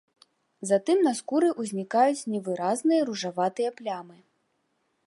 Затым на скуры ўзнікаюць невыразныя ружаватыя плямы.